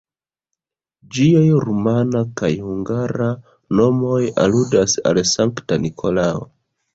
Ĝiaj rumana kaj hungara nomoj aludas al Sankta Nikolao.